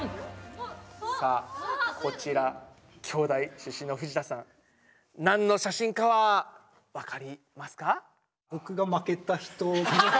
さあこちら京大出身の藤田さん何の写真かはわかりますか？